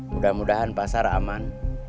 mudah mudahan pasar aman